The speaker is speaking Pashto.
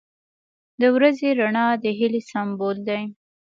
• د ورځې رڼا د هیلې سمبول دی.